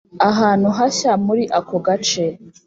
Ahantu hashya muri ako gace